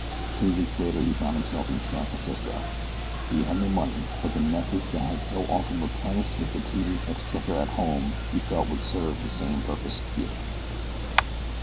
Three weeks later he found himself in San Francisco. He had no money, but the methods that had so often replenished his depleted exchequer at home he felt would serve the same purpose here.